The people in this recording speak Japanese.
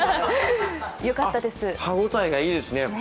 歯応えがいいですね。